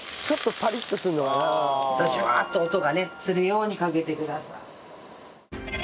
ジュワッと音がするようにかけてください。